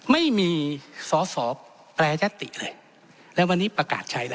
ไม่มีสอแปรแน่ติเลยแล้ววันนี้ประกาศใช้ละ